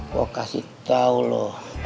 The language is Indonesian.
gue kasih tau lo